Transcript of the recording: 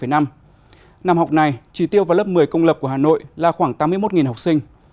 năm học này chỉ tiêu vào lớp một mươi công lập của hà nội là khoảng tám mươi một học sinh